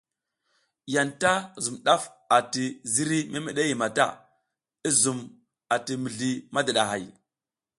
Yanta zun daf ati ziriy memede mata, i zum a ti mizli madidahay.